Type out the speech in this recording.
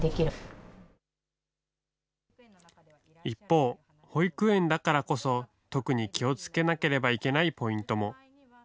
一方、保育園だからこそ、特に気をつけなければいけないポイントも。